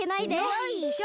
よいしょ！